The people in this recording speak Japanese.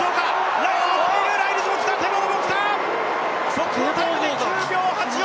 速報タイムで９秒８４。